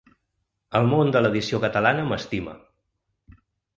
El món de l’edició catalana m’estima.